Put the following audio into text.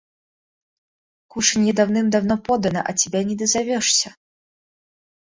– Кушанье давным-давно подано, а тебя не дозовешься».